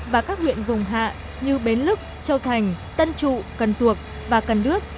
và các huyện vùng hạ như bến lức châu thành tân trụ cần duộc và cần đước